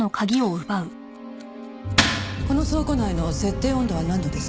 この倉庫内の設定温度は何度ですか？